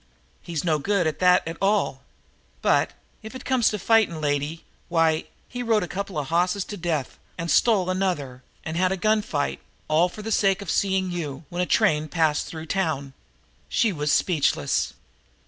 He's no good at that at all. But, if it comes to fighting, lady, why, he rode a couple of hosses to death and stole another and had a gunfight, all for the sake of seeing you, when a train passed through a town." She was speechless.